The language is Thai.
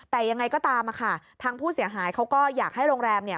แต่ยังไงก็ตามอะค่ะทางผู้เสียหายเขาก็อยากให้โรงแรมเนี่ย